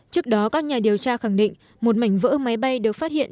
trước đó các nhà điều tra khẳng định một mảnh vỡ máy bay được phát hiện